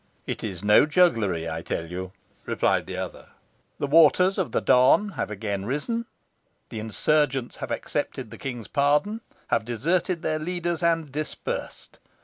"It is no jugglery, I tell you," replied the other. "The waters of the Don have again arisen; the insurgents have accepted the king's pardon, have deserted their leaders, and dispersed.